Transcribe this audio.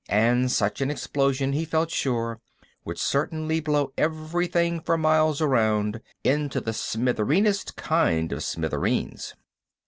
And such an explosion, he felt sure, would certainly blow everything for miles around into the smitheriest kind of smithereens.